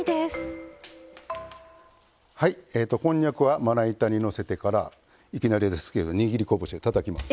こんにゃくはまな板にのせてからいきなりですけど握り拳でたたきます。